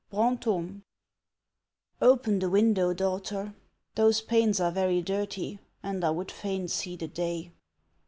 — BRAXTOME. OPEN" the window, daughter; those panes are very dirty, and I would fain see the day."